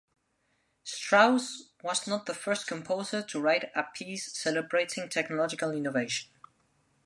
Strauss was not the first composer to write a piece celebrating technological innovation.